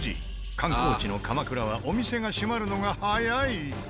観光地の鎌倉はお店が閉まるのが早い！